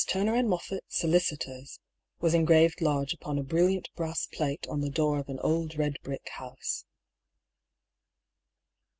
Turner and Moffatt, solicitors," was engraved large upon a brilliant brass plate on the door of an old red brick house.